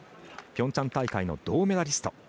ピョンチャン大会の銅メダリスト